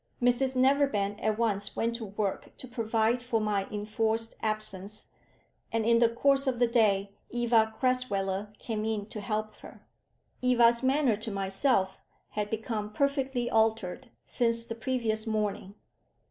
Mrs Neverbend at once went to work to provide for my enforced absence, and in the course of the day Eva Crasweller came in to help her. Eva's manner to myself had become perfectly altered since the previous morning.